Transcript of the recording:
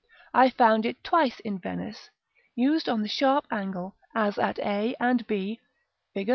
I found it twice in Venice, used on the sharp angle, as at a and b, Fig.